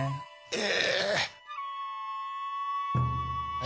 え！